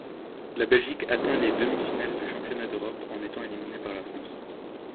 La Belgique atteint les demi-finales du championnat d'Europe, en étant éliminée par la France.